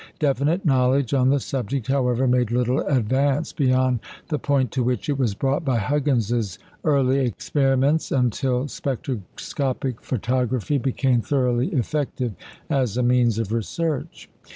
Definite knowledge on the subject, however, made little advance beyond the point to which it was brought by Huggins's early experiments until spectroscopic photography became thoroughly effective as a means of research.